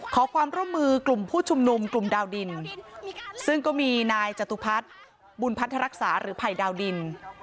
ขอความร่วมมือกลุ่มผู้ชุมนุมกลุ่มดาวดินซึ่งก็มีนายจตุพัฒน์บุญพัฒรักษาหรือภัยดาวดิน